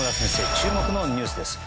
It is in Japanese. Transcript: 注目のニュースです。